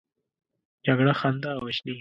جګړه خندا وژني